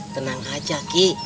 tenang aja ki